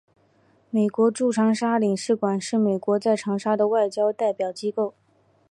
美国驻长沙领事馆是美国在长沙的外交代表机构。